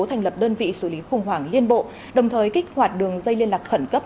thành lập đơn vị xử lý khủng hoảng liên bộ đồng thời kích hoạt đường dây liên lạc khẩn cấp